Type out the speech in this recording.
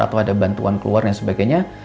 atau ada bantuan keluar dan sebagainya